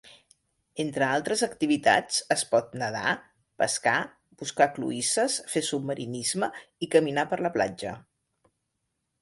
Entre altres activitats, es pot nadar, pescar, buscar cloïsses, fer submarinisme i caminar per la platja.